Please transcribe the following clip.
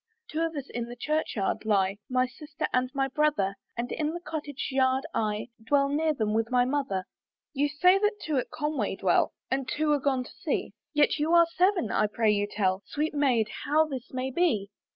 "Two of us in the church yard lie, "My sister and my brother, "And in the church yard cottage, I "Dwell near them with my mother." "You say that two at Conway dwell, "And two are gone to sea, "Yet you are seven; I pray you tell "Sweet Maid, how this may be?"